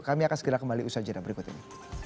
kami akan segera kembali usaha jadwal berikut ini